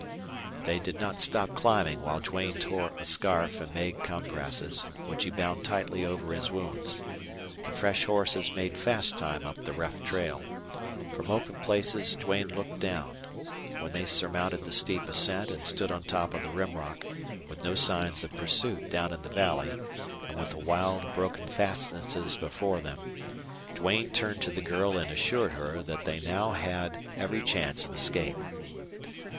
They did not stop climbing while Duane tore a scarf and made compresses, which he bound tightly over his wounds. The fresh horses made fast time up the rough trail. From open places Duane looked down. When they surmounted the steep ascent and stood on top of the Rim Rock, with no signs of pursuit down in the valley, and with the wild, broken fastnesses before them, Duane turned to the girl and assured her that they now had every chance of escape.